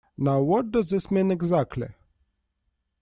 Now what does this mean exactly?